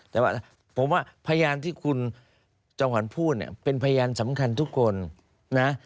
แต่ว่าผมว่าพยานที่คุณจอมขวัญพูดเนี่ยเป็นพยานสำคัญทุกคนนะ